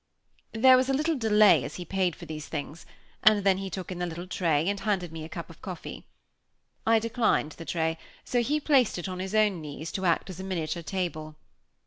There was a little delay as he paid for these things; and then he took in the little tray, and handed me a cup of coffee. I declined the tray; so he placed it on his own knees, to act as a miniature table.